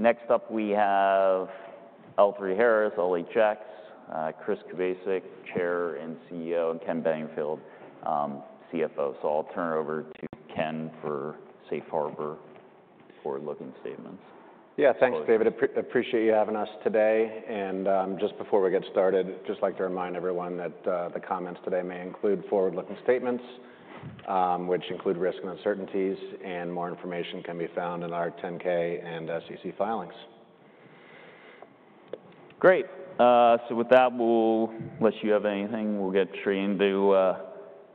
Next up, we have L3Harris, all the checks, Chris Kubasik, Chair and CEO, and Ken Bedingfield, CFO. So I'll turn it over to Ken for safe harbor forward-looking statements. Yeah, thanks, David. Appreciate you having us today. And just before we get started, I'd just like to remind everyone that the comments today may include forward-looking statements, which include risk and uncertainties, and more information can be found in our 10-K and SEC filings. Great. So with that, we'll, unless you have anything, we'll get straight into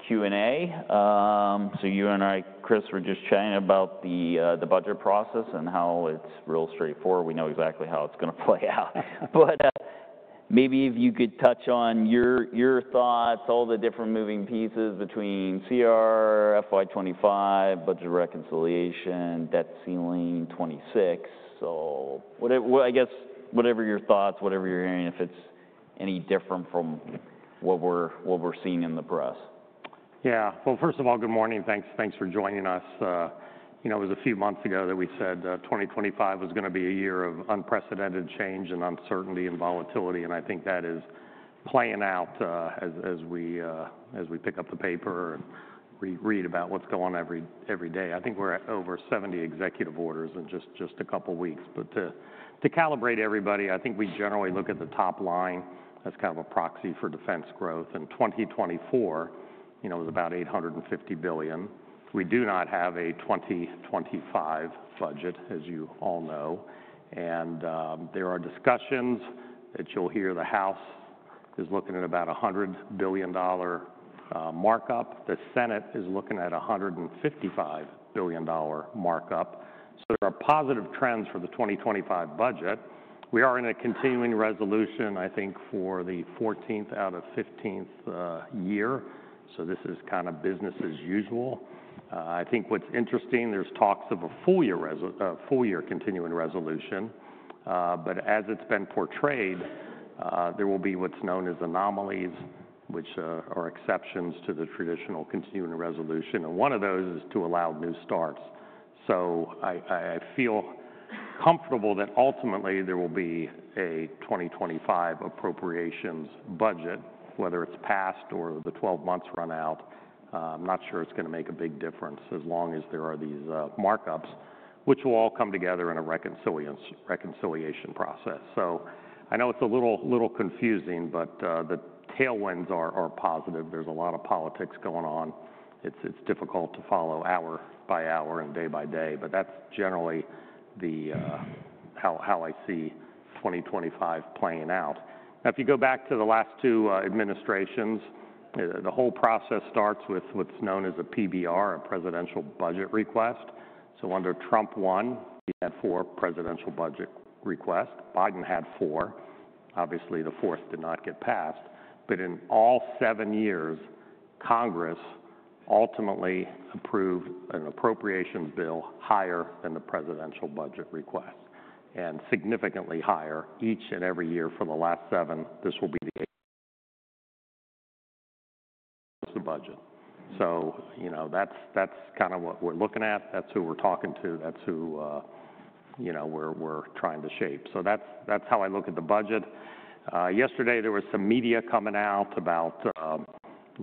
Q&A. So you and I, Chris, were just chatting about the budget process and how it's real straightforward. We know exactly how it's going to play out. But maybe if you could touch on your thoughts, all the different moving pieces between CR, FY25, budget reconciliation, debt ceiling '26. So I guess whatever your thoughts, whatever you're hearing, if it's any different from what we're seeing in the press. Yeah. Well, first of all, good morning. Thanks for joining us. It was a few months ago that we said 2025 was going to be a year of unprecedented change and uncertainty and volatility. I think that is playing out as we pick up the paper and read about what's going on every day. I think we're at over 70 executive orders in just a couple of weeks. To calibrate everybody, I think we generally look at the top line as kind of a proxy for defense growth. 2024 was about $850 billion. We do not have a 2025 budget, as you all know. There are discussions that you'll hear the House is looking at about a $100 billion markup. The Senate is looking at a $155 billion markup. There are positive trends for the 2025 budget. We are in a continuing resolution, I think, for the 14th out of 15th year. So this is kind of business as usual. I think what's interesting, there's talks of a full-year continuing resolution. But as it's been portrayed, there will be what's known as anomalies, which are exceptions to the traditional continuing resolution. And one of those is to allow new starts. So I feel comfortable that ultimately there will be a 2025 appropriations budget, whether it's passed or the 12 months run out. I'm not sure it's going to make a big difference as long as there are these markups, which will all come together in a reconciliation process. So I know it's a little confusing, but the tailwinds are positive. There's a lot of politics going on. It's difficult to follow hour by hour and day by day. But that's generally how I see 2025 playing out. Now, if you go back to the last two administrations, the whole process starts with what's known as a PBR, a Presidential Budget Request. So under Trump, one, he had four presidential budget requests. Biden had four. Obviously, the fourth did not get passed. But in all seven years, Congress ultimately approved an appropriations bill higher than the presidential budget request and significantly higher each and every year for the last seven. This will be the budget. So that's kind of what we're looking at. That's who we're talking to. That's who we're trying to shape. So that's how I look at the budget. Yesterday, there was some media coming out about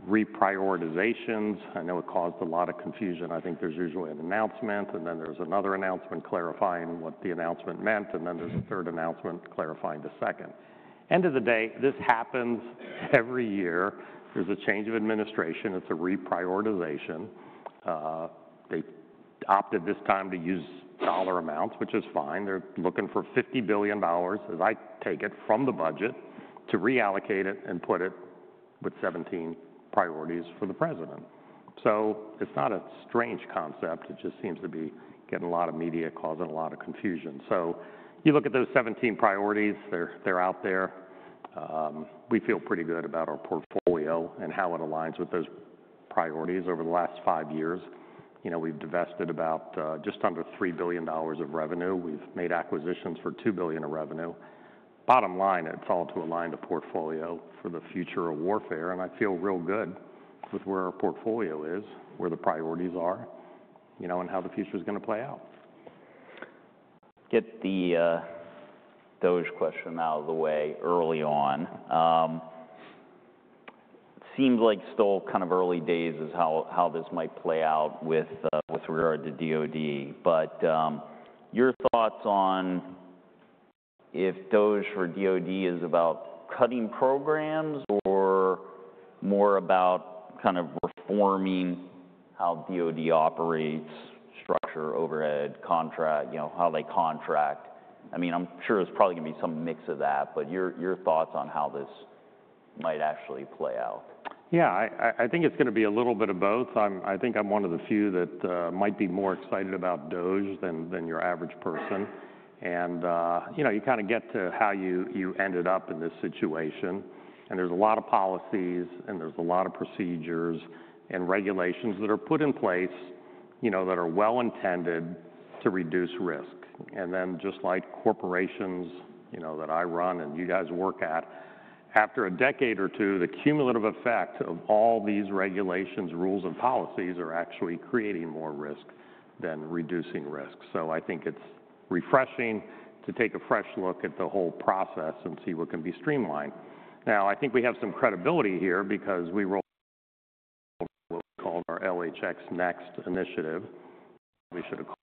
reprioritizations. I know it caused a lot of confusion. I think there's usually an announcement, and then there's another announcement clarifying what the announcement meant, and then there's a third announcement clarifying the second. End of the day, this happens every year. There's a change of administration. It's a reprioritization. They opted this time to use dollar amounts, which is fine. They're looking for $50 billion, as I take it, from the budget to reallocate it and put it with 17 priorities for the president. So it's not a strange concept. It just seems to be getting a lot of media, causing a lot of confusion. So you look at those 17 priorities, they're out there. We feel pretty good about our portfolio and how it aligns with those priorities over the last five years. We've divested about just under $3 billion of revenue. We've made acquisitions for $2 billion of revenue. Bottom line, it's all to align the portfolio for the future of warfare. I feel real good with where our portfolio is, where the priorities are, and how the future is going to play out. Get the DOGE question out of the way early on. It seems like still kind of early days is how this might play out with regard to DOD. But your thoughts on if DOGE for DOD is about cutting programs or more about kind of reforming how DOD operates, structure, overhead, contract, how they contract? I mean, I'm sure there's probably going to be some mix of that. But your thoughts on how this might actually play out? Yeah, I think it's going to be a little bit of both. I think I'm one of the few that might be more excited about DOGE than your average person, and you kind of get to how you ended up in this situation. There's a lot of policies, and there's a lot of procedures and regulations that are put in place that are well-intended to reduce risk, and then just like corporations that I run and you guys work at, after a decade or two, the cumulative effect of all these regulations, rules, and policies are actually creating more risk than reducing risk, so I think it's refreshing to take a fresh look at the whole process and see what can be streamlined. Now, I think we have some credibility here because we rolled what we called our LHX NeXt initiative. We should have called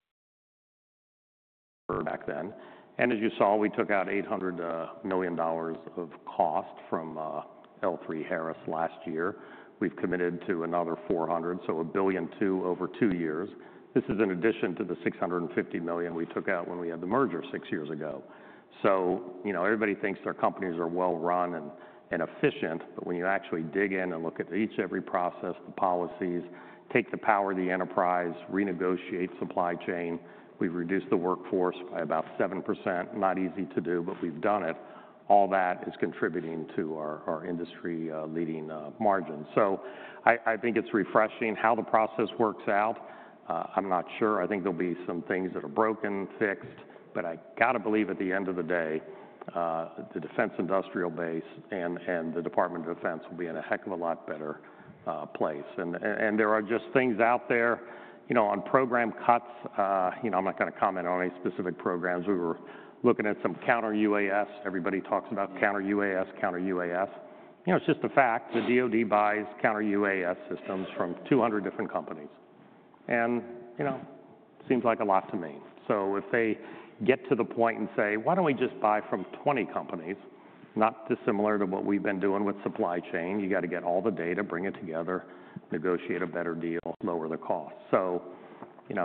it back then. And as you saw, we took out $800 million of cost from L3Harris last year. We've committed to another $400, so $1.2 billion over two years. This is in addition to the $650 million we took out when we had the merger six years ago. So everybody thinks their companies are well-run and efficient. But when you actually dig in and look at each and every process, the policies, take the power of the enterprise, renegotiate supply chain, we've reduced the workforce by about 7%. Not easy to do, but we've done it. All that is contributing to our industry-leading margins. So I think it's refreshing how the process works out. I'm not sure. I think there'll be some things that are broken, fixed. But I got to believe at the end of the day, the defense industrial base and the Department of Defense will be in a heck of a lot better place. And there are just things out there on program cuts. I'm not going to comment on any specific programs. We were looking at some counter-UAS. Everybody talks about counter-UAS, counter-UAS. It's just a fact. The DOD buys counter-UAS systems from 200 different companies. And it seems like a lot to me. So if they get to the point and say, "Why don't we just buy from 20 companies, not dissimilar to what we've been doing with supply chain?" You got to get all the data, bring it together, negotiate a better deal, lower the cost. So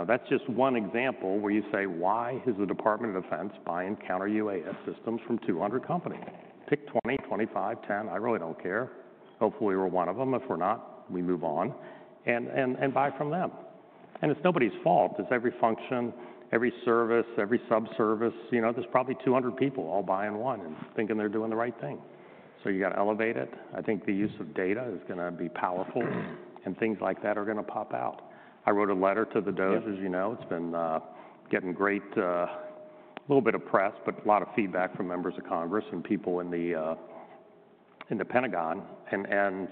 that's just one example where you say, "Why is the Department of Defense buying counter-UAS systems from 200 companies? Pick 20, 25, 10. I really don't care. Hopefully, we're one of them. If we're not, we move on and buy from them," and it's nobody's fault. It's every function, every service, every subservice. There's probably 200 people all buying one and thinking they're doing the right thing, so you got to elevate it. I think the use of data is going to be powerful, and things like that are going to pop out. I wrote a letter to the DOGE, as you know. It's been getting great, a little bit of press, but a lot of feedback from members of Congress and people in the Pentagon, and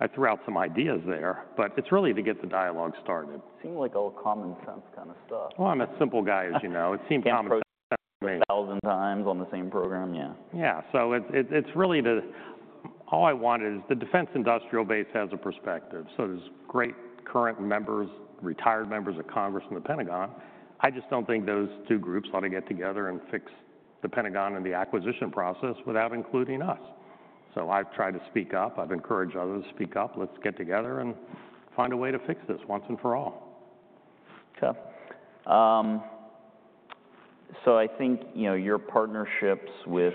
I threw out some ideas there, but it's really to get the dialogue started. Seems like all common sense kind of stuff. I'm a simple guy, as you know. It seemed common sense to me. Thousand times on the same program, yeah. Yeah. So it's really all I wanted is the defense industrial base has a perspective. So there's great current members, retired members of Congress and the Pentagon. I just don't think those two groups ought to get together and fix the Pentagon and the acquisition process without including us. So I've tried to speak up. I've encouraged others to speak up. Let's get together and find a way to fix this once and for all. Okay, so I think your partnerships with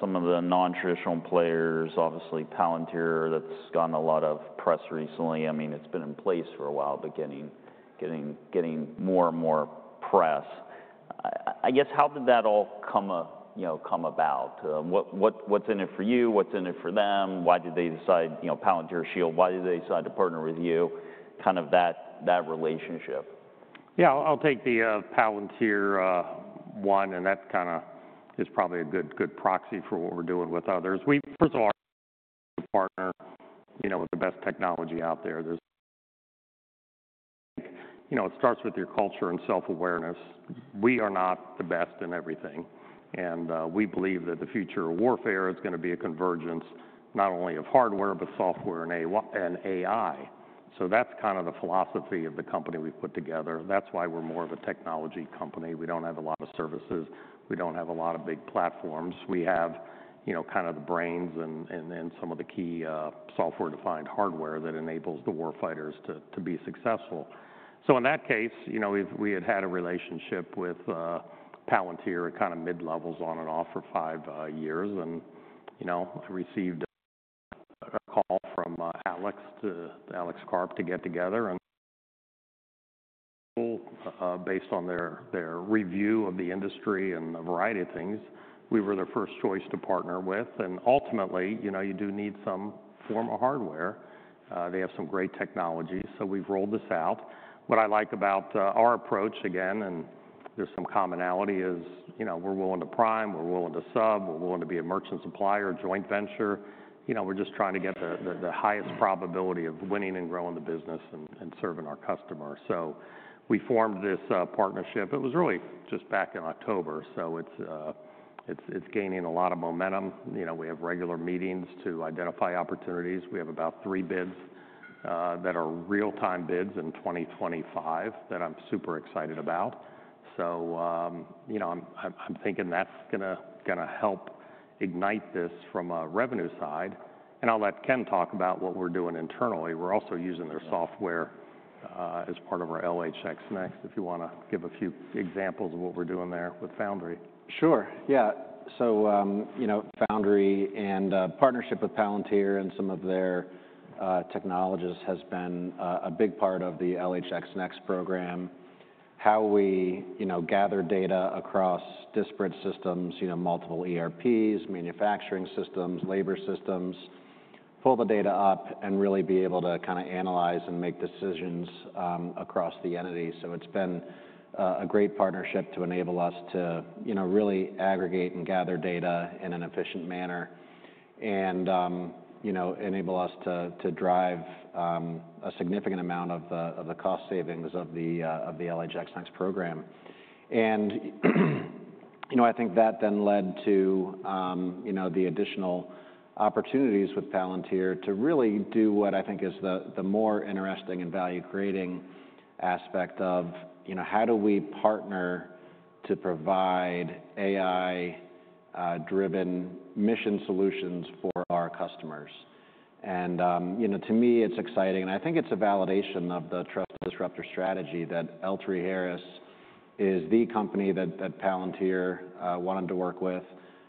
some of the non-traditional players, obviously Palantir, that's gotten a lot of press recently. I mean, it's been in place for a while, but getting more and more press. I guess, how did that all come about? What's in it for you? What's in it for them? Why did they decide Palantir Shield? Why did they decide to partner with you? Kind of that relationship. Yeah, I'll take the Palantir one, and that kind of is probably a good proxy for what we're doing with others. We, first of all, are partnering with the best technology out there. It starts with your culture and self-awareness. We are not the best in everything, and we believe that the future of warfare is going to be a convergence not only of hardware, but software and AI, so that's kind of the philosophy of the company we've put together. That's why we're more of a technology company. We don't have a lot of services. We don't have a lot of big platforms. We have kind of the brains and some of the key software-defined hardware that enables the warfighters to be successful, so in that case, we had had a relationship with Palantir at kind of mid-levels on and off for five years. And I received a call from Alex Karp to get together, and based on their review of the industry and a variety of things, we were their first choice to partner with, and ultimately, you do need some form of hardware. They have some great technology, so we've rolled this out. What I like about our approach, again, and there's some commonality, is we're willing to prime. We're willing to sub. We're willing to be a merchant-supplier, joint venture. We're just trying to get the highest probability of winning and growing the business and serving our customer, so we formed this partnership. It was really just back in October, so it's gaining a lot of momentum. We have regular meetings to identify opportunities. We have about three bids that are real-time bids in 2025 that I'm super excited about. So I'm thinking that's going to help ignite this from a revenue side. And I'll let Ken talk about what we're doing internally. We're also using their software as part of our LHX NeXt. If you want to give a few examples of what we're doing there with Foundry. Sure. Yeah. So Foundry and partnership with Palantir and some of their technologists has been a big part of the LHX NeXt program. How we gather data across disparate systems, multiple ERPs, manufacturing systems, labor systems, pull the data up, and really be able to kind of analyze and make decisions across the entity. So it's been a great partnership to enable us to really aggregate and gather data in an efficient manner and enable us to drive a significant amount of the cost savings of the LHX NeXT program. And I think that then led to the additional opportunities with Palantir to really do what I think is the more interesting and value-creating aspect of how do we partner to provide AI-driven mission solutions for our customers. And to me, it's exciting. And I think it's a validation of the trust-disruptor strategy that L3Harris is the company that Palantir wanted to work with.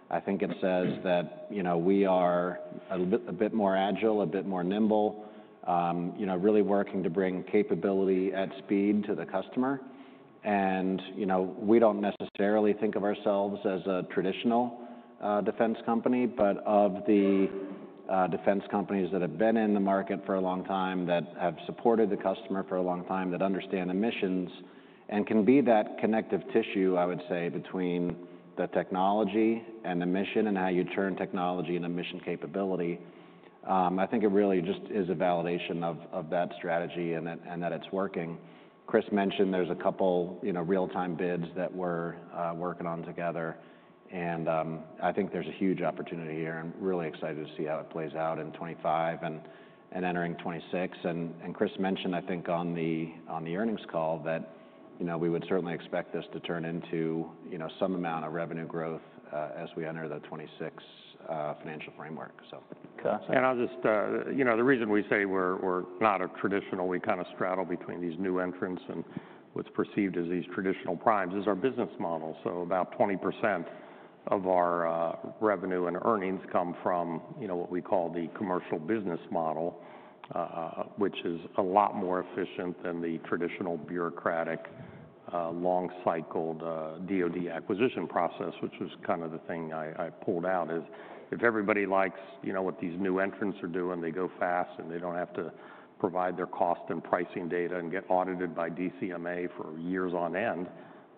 I think it says that we are a bit more agile, a bit more nimble, really working to bring capability at speed to the customer. And we don't necessarily think of ourselves as a traditional defense company, but of the defense companies that have been in the market for a long time, that have supported the customer for a long time, that understand missions, and can be that connective tissue, I would say, between the technology and mission and how you turn technology and mission capability. I think it really just is a validation of that strategy and that it's working. Chris mentioned there's a couple real-time bids that we're working on together. And I think there's a huge opportunity here and really excited to see how it plays out in 2025 and entering 2026. And Chris mentioned, I think, on the earnings call that we would certainly expect this to turn into some amount of revenue growth as we enter the 2026 financial framework. The reason we say we're not a traditional, we kind of straddle between these new entrants and what's perceived as these traditional primes, is our business model. So about 20% of our revenue and earnings come from what we call the commercial business model, which is a lot more efficient than the traditional bureaucratic, long-cycled DOD acquisition process, which was kind of the thing I pulled out, is if everybody likes what these new entrants are doing, they go fast, and they don't have to provide their cost and pricing data and get audited by DCMA for years on end,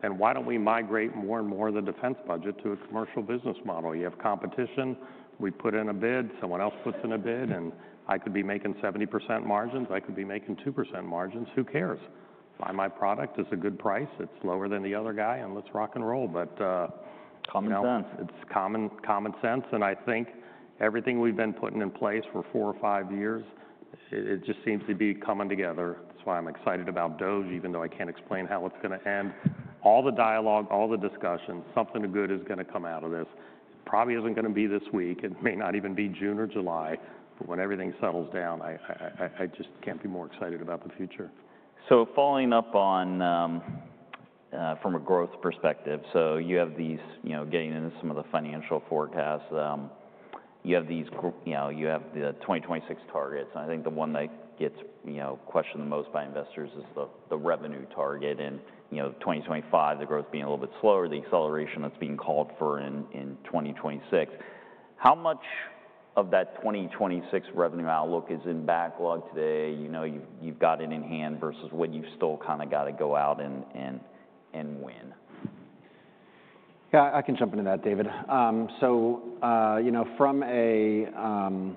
then why don't we migrate more and more of the defense budget to a commercial business model? You have competition. We put in a bid. Someone else puts in a bid. And I could be making 70% margins. I could be making 2% margins. Who cares? Buy my product. It's a good price. It's lower than the other guy, and let's rock and roll. Common sense. It's common sense, and I think everything we've been putting in place for four or five years, it just seems to be coming together. That's why I'm excited about DOGE, even though I can't explain how it's going to end. All the dialogue, all the discussion, something good is going to come out of this. It probably isn't going to be this week. It may not even be June or July, but when everything settles down, I just can't be more excited about the future. So, following up on from a growth perspective, so you have these getting into some of the financial forecasts. You have the 2026 targets. And I think the one that gets questioned the most by investors is the revenue target. And 2025, the growth being a little bit slower, the acceleration that's being called for in 2026. How much of that 2026 revenue outlook is in backlog today? You've got it in hand versus what you've still kind of got to go out and win? Yeah, I can jump into that, David. So from a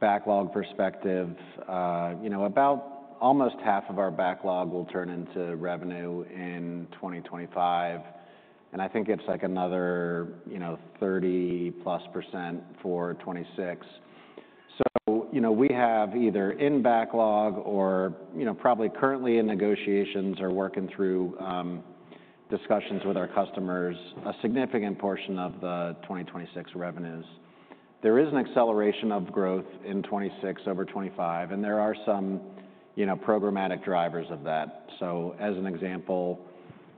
backlog perspective, about almost half of our backlog will turn into revenue in 2025. And I think it's like another 30-plus% for 2026. So we have either in backlog or probably currently in negotiations or working through discussions with our customers a significant portion of the 2026 revenues. There is an acceleration of growth in 2026 over 2025. And there are some programmatic drivers of that. So as an example,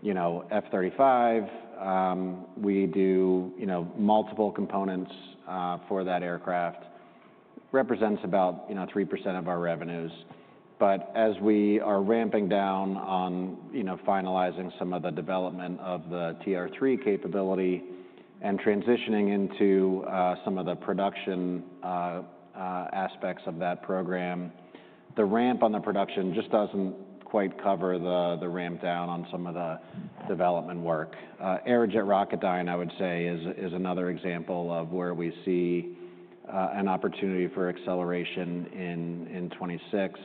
F-35, we do multiple components for that aircraft. Represents about 3% of our revenues. But as we are ramping down on finalizing some of the development of the TR-3 capability and transitioning into some of the production aspects of that program, the ramp on the production just doesn't quite cover the ramp down on some of the development work. Aerojet Rocketdyne, I would say, is another example of where we see an opportunity for acceleration in 2026.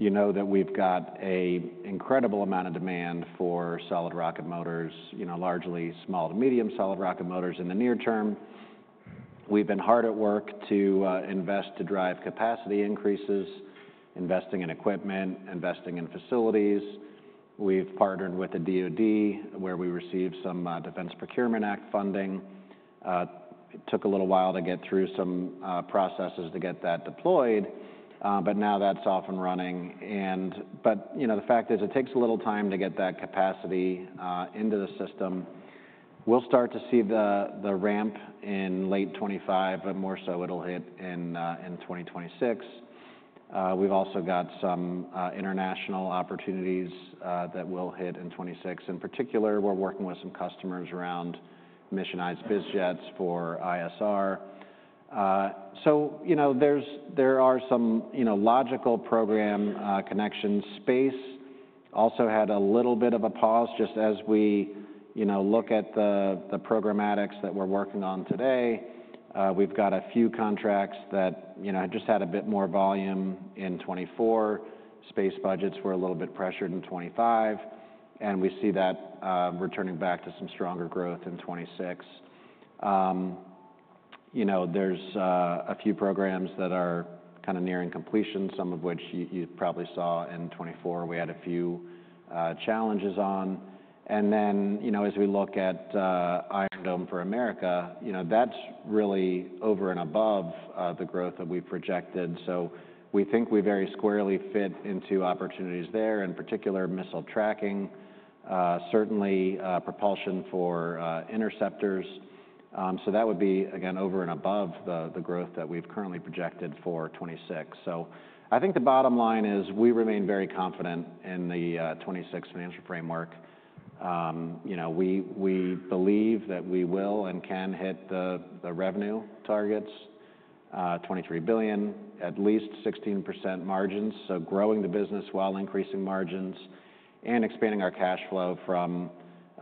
You know that we've got an incredible amount of demand for solid rocket motors, largely small to medium solid rocket motors in the near term. We've been hard at work to invest to drive capacity increases, investing in equipment, investing in facilities. We've partnered with the DOD, where we received some Defense Procurement Act funding. It took a little while to get through some processes to get that deployed. But now that's off and running. But the fact is, it takes a little time to get that capacity into the system. We'll start to see the ramp in late 2025, but more so it'll hit in 2026. We've also got some international opportunities that will hit in 2026. In particular, we're working with some customers around missionized biz jets for ISR. So there are some logical program connections. Space also had a little bit of a pause just as we look at the programmatics that we're working on today. We've got a few contracts that just had a bit more volume in 2024. Space budgets were a little bit pressured in 2025. And we see that returning back to some stronger growth in 2026. There's a few programs that are kind of nearing completion, some of which you probably saw in 2024. We had a few challenges on. And then as we look at Iron Dome for America, that's really over and above the growth that we've projected. So we think we very squarely fit into opportunities there, in particular missile tracking, certainly propulsion for interceptors. So that would be, again, over and above the growth that we've currently projected for 2026. So I think the bottom line is we remain very confident in the 2026 financial framework. We believe that we will and can hit the revenue targets, $23 billion, at least 16% margins. So growing the business while increasing margins and expanding our cash flow from,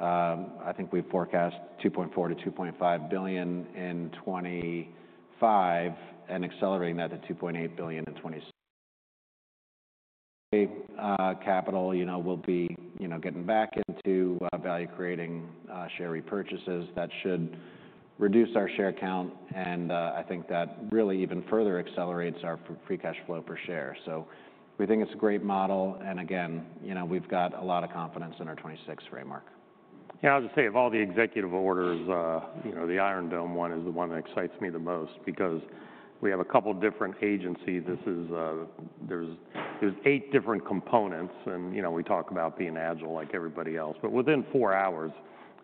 I think we forecast $2.4-$2.5 billion in 2025 and accelerating that to $2.8 billion in 2026. Capital will be getting back into value-creating share repurchases. That should reduce our share count. And I think that really even further accelerates our free cash flow per share. So we think it's a great model. And again, we've got a lot of confidence in our 2026 framework. Yeah, I'll just say of all the executive orders, the Iron Dome one is the one that excites me the most because we have a couple of different agencies. There are eight different components. We talk about being agile like everybody else. But within four hours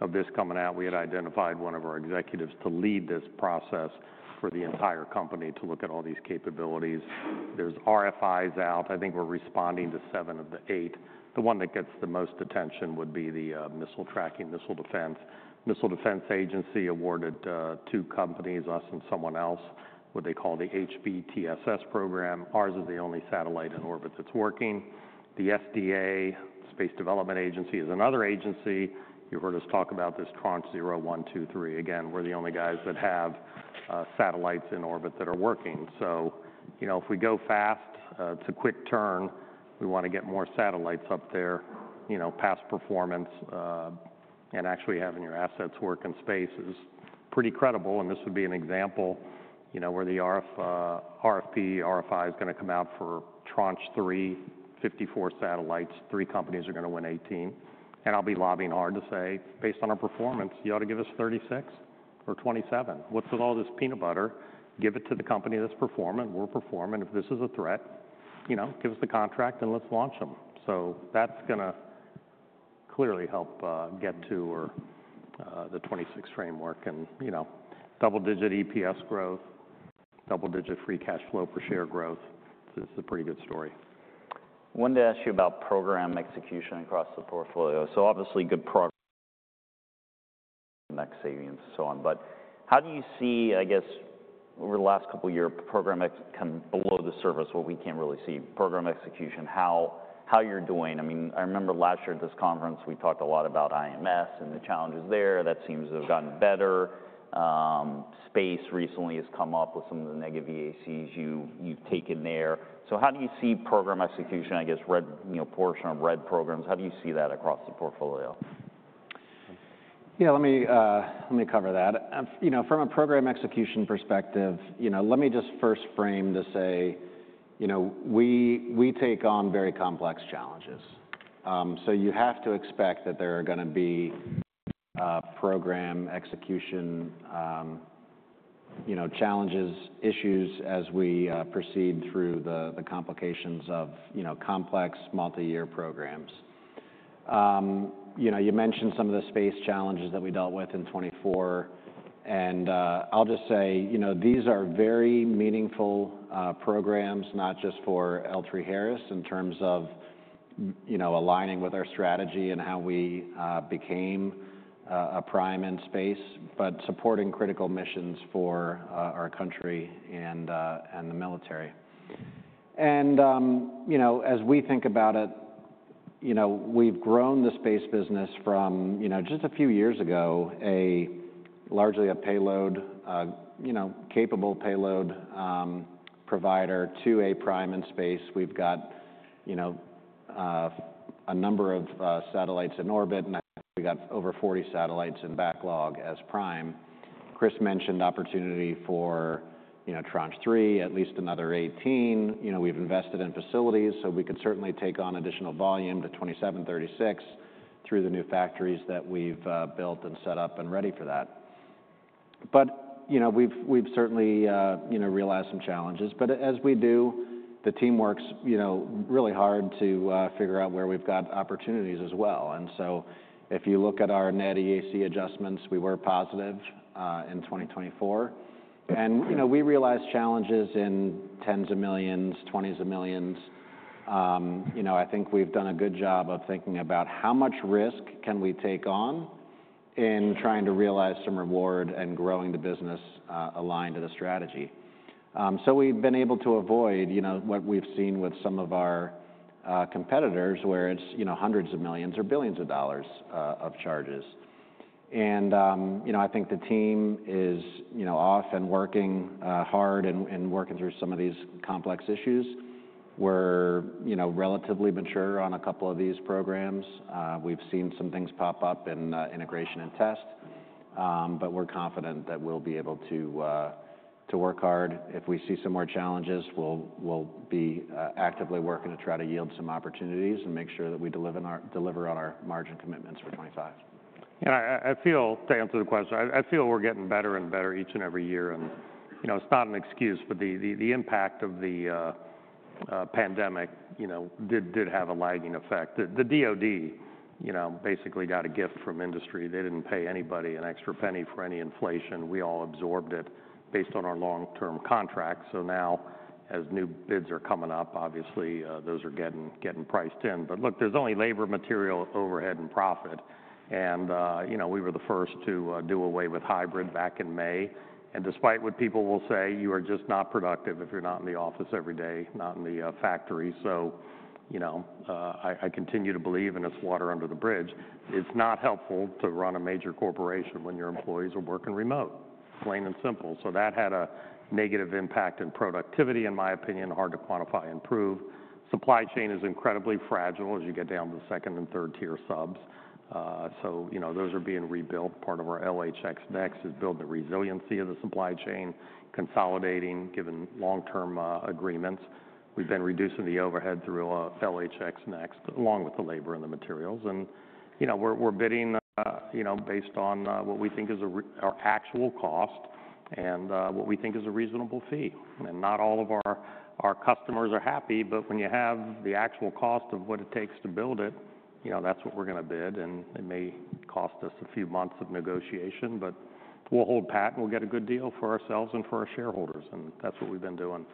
of this coming out, we had identified one of our executives to lead this process for the entire company to look at all these capabilities. There's RFIs out. I think we're responding to seven of the eight. The one that gets the most attention would be the missile tracking, missile defense. Missile Defense Agency awarded two companies, us and someone else, what they call the HBTSS program. Ours is the only satellite in orbit that's working. The SDA, Space Development Agency, is another agency. You've heard us talk about this Tranche 0, 1, 2, 3. Again, we're the only guys that have satellites in orbit that are working. So if we go fast, it's a quick turn. We want to get more satellites up there, past performance. And actually having your assets work in space is pretty credible. This would be an example where the RFP, RFI is going to come out for Tranche 3, 54 satellites. Three companies are going to win 18. I'll be lobbying hard to say, based on our performance, you ought to give us 36 or 27. What's with all this peanut butter? Give it to the company that's performing. We're performing. If this is a threat, give us the contract and let's launch them. That's going to clearly help get to the 2026 framework and double-digit EPS growth, double-digit free cash flow per share growth. This is a pretty good story. I wanted to ask you about program execution across the portfolio. So obviously good progress, net savings, and so on. But how do you see, I guess, over the last couple of years, program kind of below the surface, what we can't really see? Program execution, how you're doing. I mean, I remember last year at this conference, we talked a lot about IMS and the challenges there. That seems to have gotten better. Space recently has come up with some of the negative VACs you've taken there. So how do you see program execution, I guess, portion of R&D programs? How do you see that across the portfolio? Yeah, let me cover that. From a program execution perspective, let me just first frame to say we take on very complex challenges. So you have to expect that there are going to be program execution challenges, issues as we proceed through the complications of complex multi-year programs. You mentioned some of the space challenges that we dealt with in 2024. And I'll just say these are very meaningful programs, not just for L3Harris in terms of aligning with our strategy and how we became a prime in space, but supporting critical missions for our country and the military. And as we think about it, we've grown the space business from just a few years ago, largely a payload, capable payload provider to a prime in space. We've got a number of satellites in orbit. And I think we got over 40 satellites in backlog as prime. Chris mentioned opportunity for TR-3, at least another 18. We've invested in facilities. So we could certainly take on additional volume to 27, 36 through the new factories that we've built and set up and ready for that. But we've certainly realized some challenges. But as we do, the team works really hard to figure out where we've got opportunities as well. And so if you look at our net EAC adjustments, we were positive in 2024. And we realized challenges in tens of millions, twenties of millions. I think we've done a good job of thinking about how much risk can we take on in trying to realize some reward and growing the business aligned to the strategy. So we've been able to avoid what we've seen with some of our competitors, where it's hundreds of millions or billions of dollars of charges. And I think the team is off and working hard and working through some of these complex issues. We're relatively mature on a couple of these programs. We've seen some things pop up in integration and test. But we're confident that we'll be able to work hard. If we see some more challenges, we'll be actively working to try to yield some opportunities and make sure that we deliver on our margin commitments for 2025. Yeah. I feel, to answer the question, I feel we're getting better and better each and every year. And it's not an excuse, but the impact of the pandemic did have a lagging effect. The DOD basically got a gift from industry. They didn't pay anybody an extra penny for any inflation. We all absorbed it based on our long-term contracts. So now, as new bids are coming up, obviously, those are getting priced in. But look, there's only labor, material, overhead, and profit. And we were the first to do away with hybrid back in May. And despite what people will say, you are just not productive if you're not in the office every day, not in the factory. So I continue to believe in this water under the bridge. It's not helpful to run a major corporation when your employees are working remote, plain and simple. So that had a negative impact in productivity, in my opinion, hard to quantify and prove. Supply chain is incredibly fragile as you get down to the second and third-tier subs. So those are being rebuilt. Part of our LHX NeXT is building the resiliency of the supply chain, consolidating, given long-term agreements. We've been reducing the overhead through LHX NeXT, along with the labor and the materials. And we're bidding based on what we think is our actual cost and what we think is a reasonable fee. And not all of our customers are happy. But when you have the actual cost of what it takes to build it, that's what we're going to bid. And it may cost us a few months of negotiation. But we'll hold pat and we'll get a good deal for ourselves and for our shareholders. And that's what we've been doing.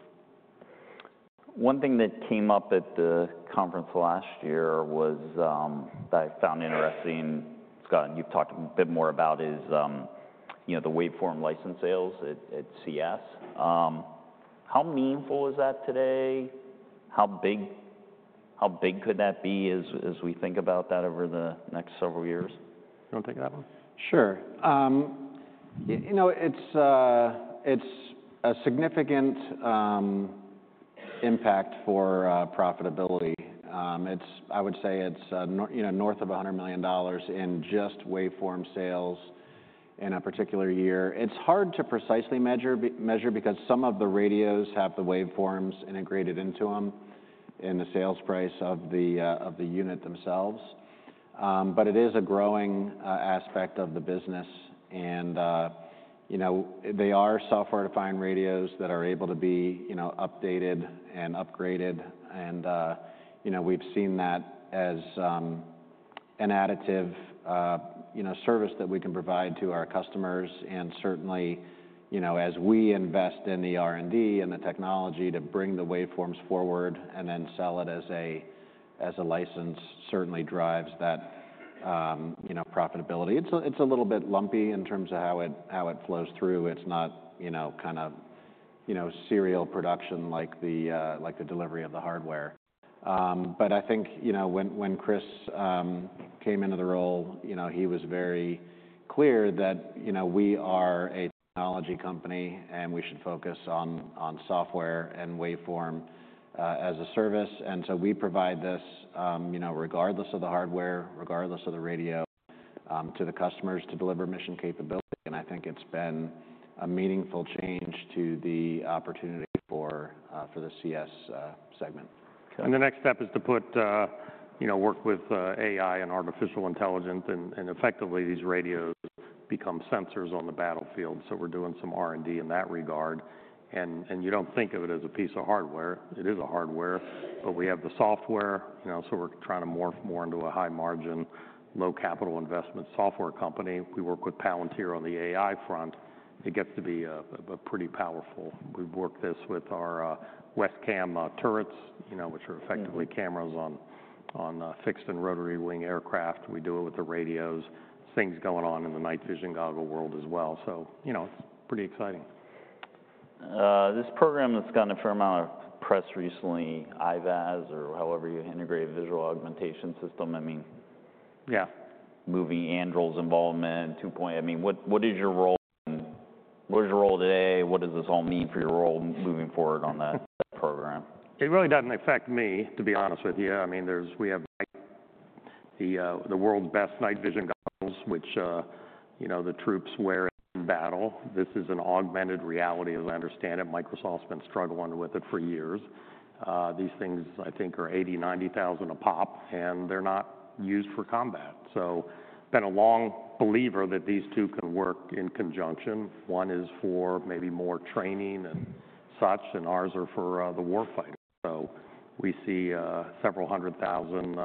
One thing that came up at the conference last year that I found interesting, Scott, and you've talked a bit more about, is the waveform license sales at CS. How meaningful is that today? How big could that be as we think about that over the next several years? You want to take that one? Sure. It's a significant impact for profitability. I would say it's north of $100 million in just waveform sales in a particular year. It's hard to precisely measure because some of the radios have the waveforms integrated into them in the sales price of the unit themselves. But it is a growing aspect of the business. And they are software-defined radios that are able to be updated and upgraded. And we've seen that as an additive service that we can provide to our customers. And certainly, as we invest in the R&D and the technology to bring the waveforms forward and then sell it as a license, certainly drives that profitability. It's a little bit lumpy in terms of how it flows through. It's not kind of serial production like the delivery of the hardware. But I think when Chris came into the role, he was very clear that we are a technology company and we should focus on software and waveform as a service. And so we provide this regardless of the hardware, regardless of the radio to the customers to deliver mission capability. And I think it's been a meaningful change to the opportunity for the CS segment. And the next step is to work with AI and artificial intelligence. And effectively, these radios become sensors on the battlefield. So we're doing some R&D in that regard. And you don't think of it as a piece of hardware. It is a hardware. But we have the software. So we're trying to morph more into a high-margin, low-capital investment software company. We work with Palantir on the AI front. It gets to be pretty powerful. We've worked this with our WESCAM turrets, which are effectively cameras on fixed and rotary wing aircraft. We do it with the radios. Things going on in the night vision goggle world as well. So it's pretty exciting. This program that's gotten a fair amount of press recently, IVAS or however you integrate a visual augmentation system, I mean, Microsoft's and Anduril's involvement, I mean, what is your role? What is your role today? What does this all mean for your role moving forward on that program? It really doesn't affect me, to be honest with you. I mean, we have the world's best night vision goggles, which the troops wear in battle. This is an augmented reality as I understand it. Microsoft's been struggling with it for years. These things, I think, are $80,000-$90,000 a pop, and they're not used for combat. So I've been a long believer that these two can work in conjunction. One is for maybe more training and such, and ours are for the war fighters. So we see several hundred thousand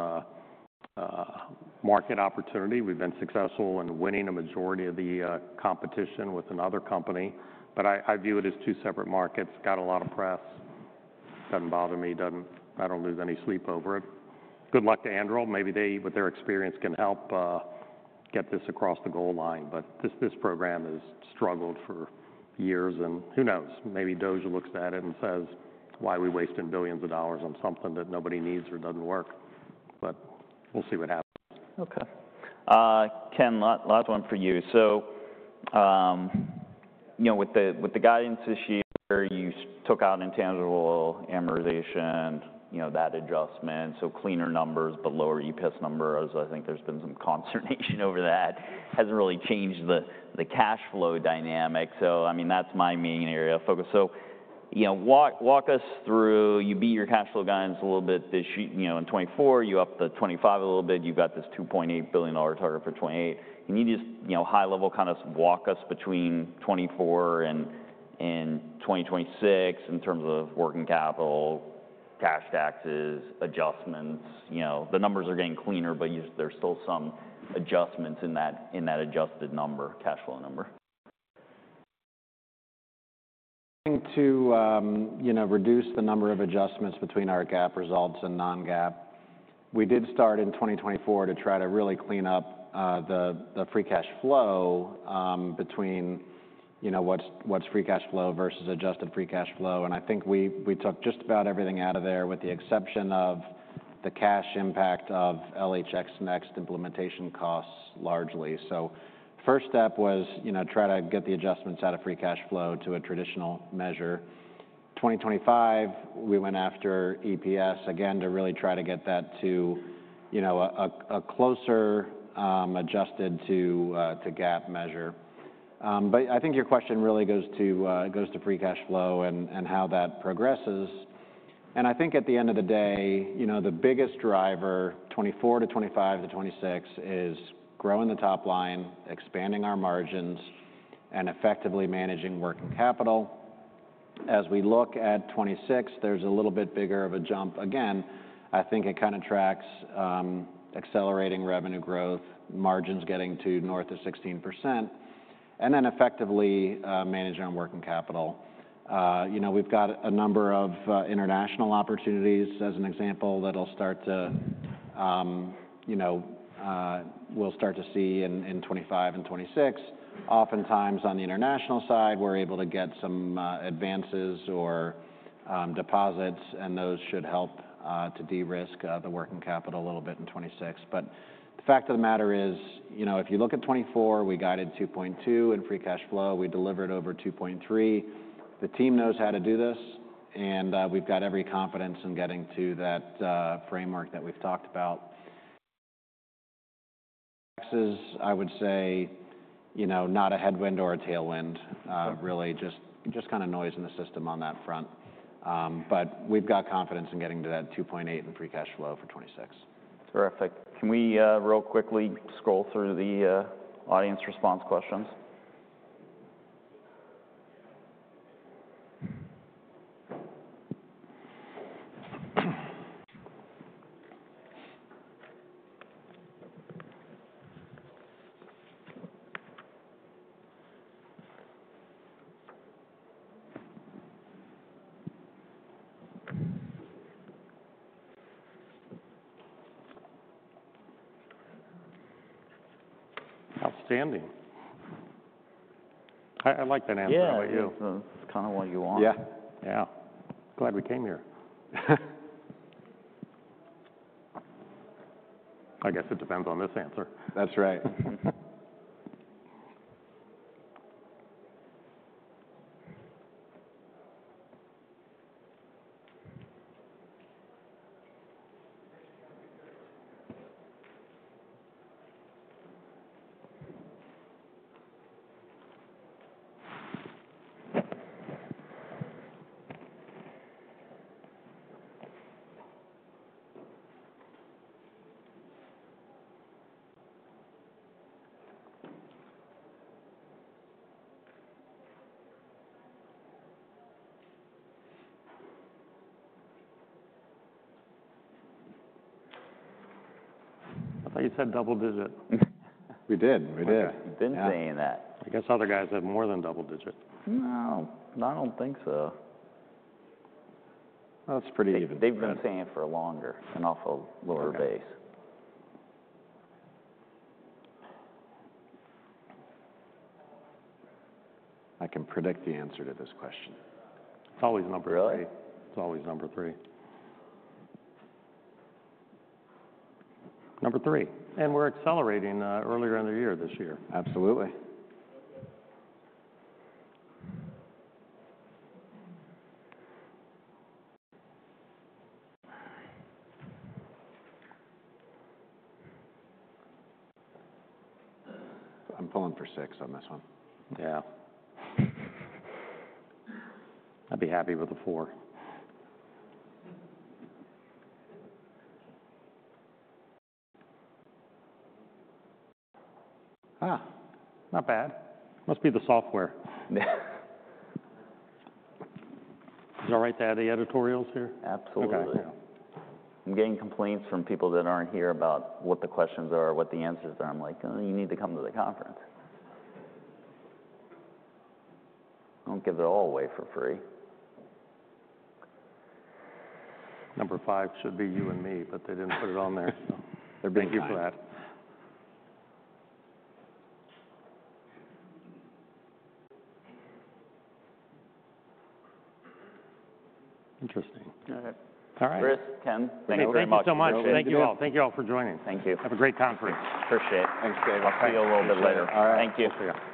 market opportunity. We've been successful in winning a majority of the competition with another company, but I view it as two separate markets. Got a lot of press. Doesn't bother me. I don't lose any sleep over it. Good luck to Anduril. Maybe they, with their experience, can help get this across the goal line. But this program has struggled for years. And who knows? Maybe DOGE looks at it and says, why are we wasting billions of dollars on something that nobody needs or doesn't work? But we'll see what happens. Okay. Ken, last one for you. So with the guidance issue, you took out intangible amortization, that adjustment. So cleaner numbers, but lower EPS numbers. I think there's been some consternation over that. Hasn't really changed the cash flow dynamic. So I mean, that's my main area of focus. So walk us through. You beat your cash flow guidance a little bit this year. In 2024, you upped the 2025 a little bit. You've got this $2.8 billion target for 2028. Can you just high-level kind of walk us between 2024 and 2026 in terms of working capital, cash taxes, adjustments? The numbers are getting cleaner, but there's still some adjustments in that adjusted number, cash flow number. To reduce the number of adjustments between our GAAP results and non-GAAP, we did start in 2024 to try to really clean up the free cash flow between what's free cash flow versus adjusted free cash flow. And I think we took just about everything out of there with the exception of the cash impact of LHX NeXT implementation costs largely. So first step was try to get the adjustments out of free cash flow to a traditional measure. 2025, we went after EPS again to really try to get that to a closer adjusted to GAAP measure. But I think your question really goes to free cash flow and how that progresses. And I think at the end of the day, the biggest driver 2024 to 2025 to 2026 is growing the top line, expanding our margins, and effectively managing working capital. As we look at 2026, there's a little bit bigger of a jump. Again, I think it kind of tracks accelerating revenue growth, margins getting to north of 16%, and then effectively managing our working capital. We've got a number of international opportunities, as an example, that we'll start to see in 2025 and 2026. Oftentimes, on the international side, we're able to get some advances or deposits. And those should help to de-risk the working capital a little bit in 2026. But the fact of the matter is, if you look at 2024, we guided $2.2 in free cash flow. We delivered over $2.3. The team knows how to do this. And we've got every confidence in getting to that framework that we've talked about. Taxes, I would say not a headwind or a tailwind, really. Just kind of noise in the system on that front. But we've got confidence in getting to that 2.8 in free cash flow for 2026. Terrific. Can we really quickly scroll through the audience response questions? Outstanding. I like that answer. How about you? Yeah. It's kind of what you want. Yeah. Yeah. Glad we came here. I guess it depends on this answer. That's right. I thought you said double digit. We did. We did. Okay. Been saying that. I guess other guys have more than double digit. No. I don't think so. That's pretty even. They've been saying it for longer and off a lower base. I can predict the answer to this question. It's always number three. Really? It's always number three. Number three. We're accelerating earlier in the year this year. Absolutely. I'm pulling for six on this one. Yeah. I'd be happy with a four. Huh. Not bad. Must be the software. Is it all right to add the editorials here? Absolutely. I'm getting complaints from people that aren't here about what the questions are, what the answers are. I'm like, you need to come to the conference. Don't give it all away for free. Number five should be you and me, but they didn't put it on there. Thank you for that. Interesting. All right. Chris, Ken, thank you very much. Thank you so much. Thank you all for joining. Thank you. Have a great conference. Appreciate it. Thanks, Dave. See you a little bit later. All right. Thank you.